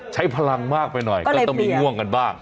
ใช้พลังมากไปหน่อยก็ต้องมีง่วงกันบ้าง